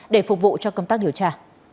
để phục vụ cho công tác điều tra